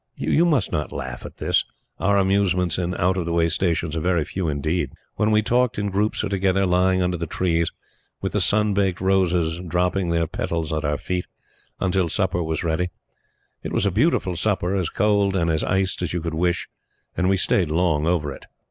You must not laugh at this. Our amusements in out of the way Stations are very few indeed. Then we talked in groups or together, lying under the trees, with the sun baked roses dropping their petals on our feet, until supper was ready. It was a beautiful supper, as cold and as iced as you could wish; and we stayed long over it.